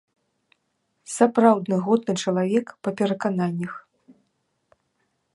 Сапраўдны годны чалавек па перакананнях.